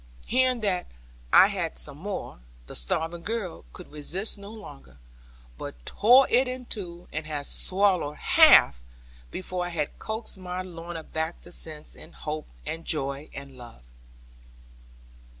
Hearing that I had some more, the starving girl could resist no longer, but tore it in two, and had swallowed half before I had coaxed my Lorna back to sense, and hope, and joy, and love.